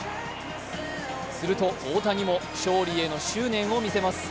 すると大谷も勝利への執念を見せます。